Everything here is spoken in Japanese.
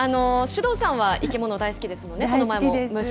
首藤さんは、生き物大好きですもんね。